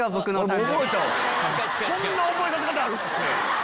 こんな覚えさせ方あるんすね。